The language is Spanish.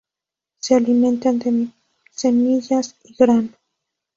Se alimentan de semillas y grano.